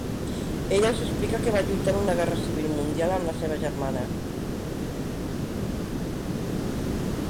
Ella els explica que va lluitar en una guerra civil mundial amb la seva germana.